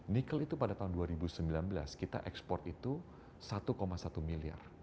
nikel itu pada tahun dua ribu sembilan belas kita ekspor itu satu satu miliar